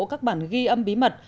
các bản ghi âm bí mật